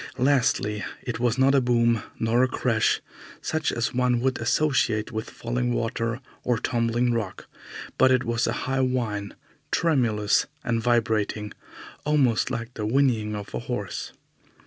Lastly, it was not a boom, nor a crash, such as one would associate with falling water or tumbling rock, but it was a high whine, tremulous and vibrating, almost like the whinnying of a horse.